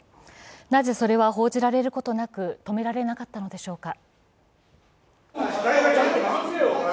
なぜ、それは報じられることなく止められなかったのでしょうか。